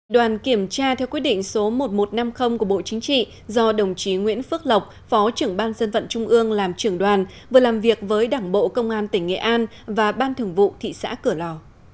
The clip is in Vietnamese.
đoàn kiểm tra theo quyết định số một nghìn một trăm năm mươi của bộ chính trị do đồng chí nguyễn phước lộc phó trưởng ban dân vận trung ương làm trưởng đoàn vừa làm việc với đảng bộ công an tỉnh nghệ an và ban thường vụ thị xã cửa lò